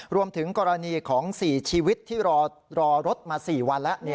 รวมถึงกรณีของ๔ชีวิตที่รอรถมา๔วันแล้ว